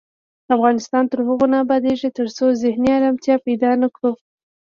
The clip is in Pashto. افغانستان تر هغو نه ابادیږي، ترڅو ذهني ارامتیا پیدا نکړو.